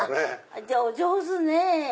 じゃあお上手ね。